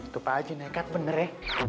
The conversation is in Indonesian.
tupa aja nekat bener ya